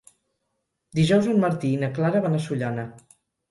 Dijous en Martí i na Clara van a Sollana.